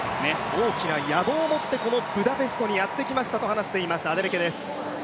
大きな野望を持ってこのブダペストにやって来ましたというアデレケです。